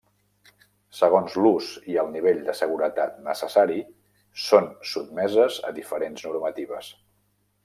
Segons l'ús i el nivell de seguretat necessari, són sotmeses a diferents normatives.